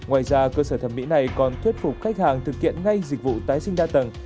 ngoài ra cơ sở thẩm mỹ này còn thuyết phục khách hàng thực hiện ngay dịch vụ tái sinh đa tầng